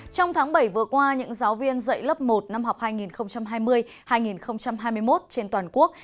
trong tháng bảy vừa qua những giáo viên dạy lớp một năm học hai nghìn hai mươi hai nghìn hai mươi một trên toàn quốc